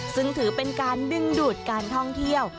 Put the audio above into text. ซึ่งถือเป็นการดึงดูดการท่องเที่ยว